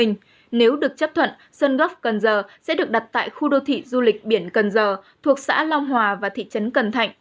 nếu được chấp thuận sơn góp cần giờ sẽ được đặt tại khu đô thị du lịch biển cần giờ thuộc xã long hòa và thị trấn cần thạnh